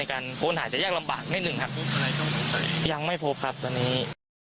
โดยก็จะยากลำบากในหนึ่งยังไม่ครับวันนี้